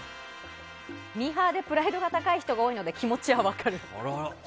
ミーハーでプライドが高い人が多いので気持ちは分かる。